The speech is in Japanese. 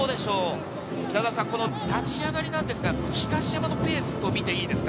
立ち上がりなんですが、東山のペースと見ていいですか？